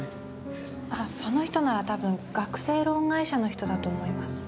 あその人なら多分学生ローン会社の人だと思います。